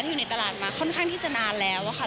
อยู่ในตลาดมาค่อนข้างที่จะนานแล้วค่ะ